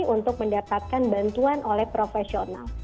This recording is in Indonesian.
untuk mendapatkan bantuan oleh profesional